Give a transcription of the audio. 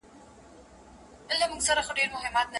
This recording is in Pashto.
لارښود نه سي کولای د مقالې ژبه سمه کړي.